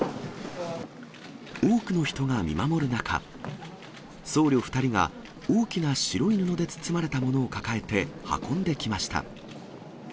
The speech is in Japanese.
多くの人が見守る中、僧侶２人が、大きな白い布で包まれたものを抱えて運んできました。